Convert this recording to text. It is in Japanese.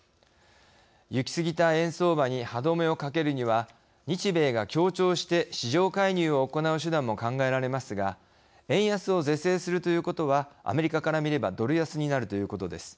行き過ぎた円相場に歯止めをかけるには日米が協調して市場介入を行う手段も考えられますが円安を是正するということはアメリカから見ればドル安になるということです。